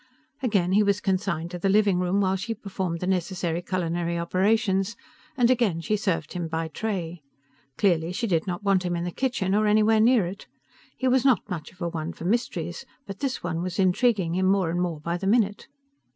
Again he was consigned to the living room while she performed the necessary culinary operations, and again she served him by tray. Clearly she did not want him in the kitchen, or anywhere near it. He was not much of a one for mysteries, but this one was intriguing him more and more by the minute.